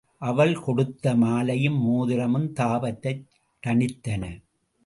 அவள் கொடுத்த மாலையும் மோதிரமும் தாபத்தைத் தணித்தன.